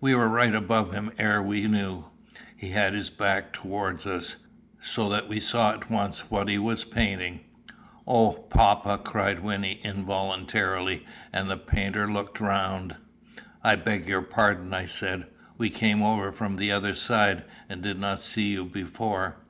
We were right above him ere we knew. He had his back towards us, so that we saw at once what he was painting. "O, papa!" cried Wynnie involuntarily, and the painter looked round. "I beg your pardon," I said. "We came over from the other side, and did not see you before.